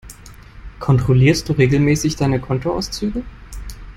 Kontrollierst du regelmäßig deine Kontoauszüge?